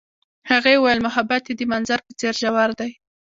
هغې وویل محبت یې د منظر په څېر ژور دی.